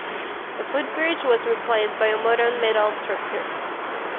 The footbridge was replaced by a modern metal structure.